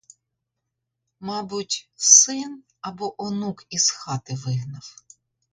Мабуть, син або онук із хати вигнав.